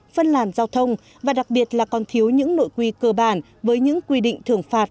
phân làn giao thông và đặc biệt là còn thiếu những nội quy cơ bản với những quy định thường phạt